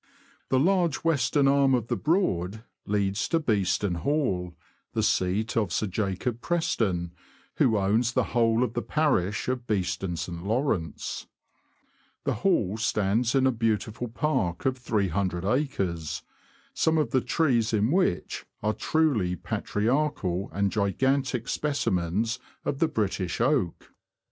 The large western arm of the Broad leads to Beeston Hall, the seat of Sir Jacob Preston, who owns the whole of the parish of Beeston St. Lawrence. The Hall stands in a beautiful park of 300 acres, UP THE ANT, TO BARTON AND STALHAM. 159 some of the trees in which are truly patriarchal and gigantic specimens of the British oak.